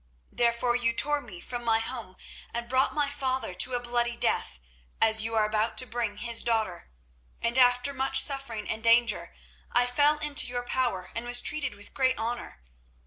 Therefore you tore me from my home and brought my father to a bloody death, as you are about to bring his daughter; and after much suffering and danger I fell into your power, and was treated with great honour.